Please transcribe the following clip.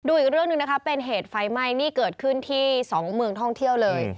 อีกเรื่องหนึ่งนะคะเป็นเหตุไฟไหม้นี่เกิดขึ้นที่สองเมืองท่องเที่ยวเลย